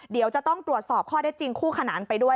เดี๋ยวจะต้องตรวจสอบข้อได้จริงคู่ขนานไปด้วย